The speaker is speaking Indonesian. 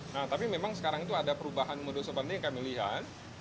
nah tapi memang sekarang itu ada perubahan modus seperti yang kami lihat